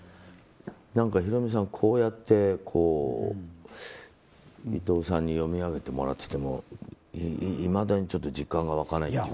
ヒロミさん、こうやって伊藤さんに読み上げてもらってもいまだに実感が湧かないというか。